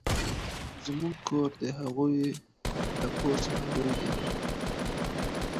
زموږ کور د هغوې له کور څخه لوي ده.